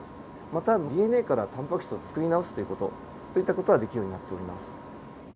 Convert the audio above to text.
またＤＮＡからタンパク質をつくり直すという事といった事ができるようになっております。